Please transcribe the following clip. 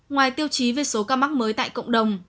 ngoài tiêu chí về số ca mắc mới tại cộng đồng